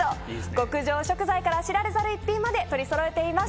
極上食材から知られざる逸品まで取りそろえています。